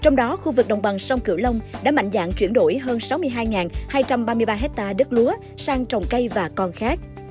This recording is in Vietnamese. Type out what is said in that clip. trong đó khu vực đồng bằng sông cửu long đã mạnh dạng chuyển đổi hơn sáu mươi hai hai trăm ba mươi ba hectare đất lúa sang trồng cây và còn khác